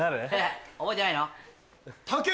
覚えてないの？